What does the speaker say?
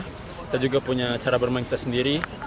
kita juga punya cara bermain kita sendiri